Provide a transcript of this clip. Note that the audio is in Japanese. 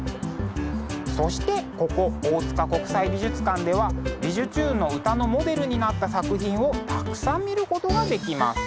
そしてここ大塚国際美術館では「びじゅチューン！」の歌のモデルになった作品をたくさん見ることができます。